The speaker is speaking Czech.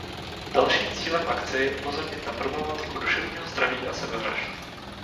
Dalším cílem akce je upozornit na problematiku duševního zdraví a sebevražd.